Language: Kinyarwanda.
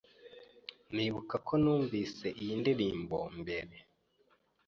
Ndibuka ko numvise iyi ndirimbo mbere.